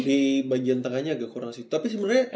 ya kayaknya di bagian tengahnya agak kurang sih